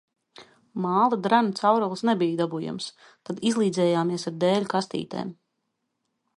Māla drenu caurules nebija dabūjamas, tad izlīdzējāmies ar dēļu kastītēm.